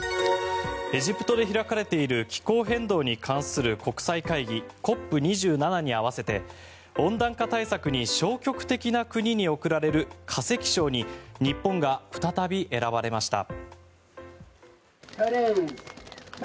エジプトで開かれている気候変動に関する国際会議ＣＯＰ２７に合わせて温暖化対策に消極的な国に贈られる化石賞に日本が再び選ばれました。